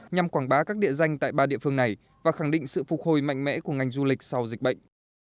nhằm quảng bá các địa danh tại ba địa phương này và khẳng định sự phục hồi mạnh mẽ của ngành du lịch sau dịch bệnh